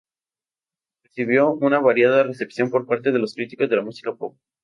Recibió una variada recepción por parte de los críticos de la música pop.